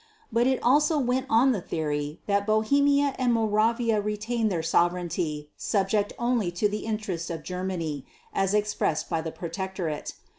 But it also went on the theory that Bohemia and Moravia retained their sovereignty subject only to the interests of Germany as expressed by the Protectorate.